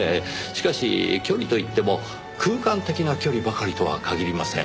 しかし距離といっても空間的な距離ばかりとは限りません。